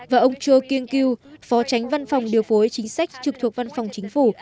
và ông cho kiên kyu phó tránh văn phòng điều phối chính sách trực thuộc văn phòng chính phủ